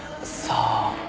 さあ。